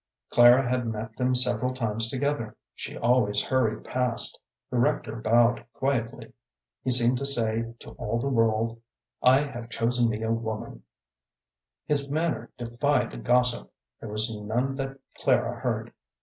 Clara had met them several times together. She always hurried past. The rector bowed quietly. He seemed to say to all the world, "I have chosen me a woman." His manner defied gossip; there was none that Clara heard.